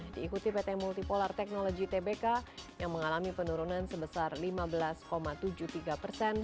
diikuti pt multipolar technology tbk yang mengalami penurunan sebesar lima belas tujuh puluh tiga persen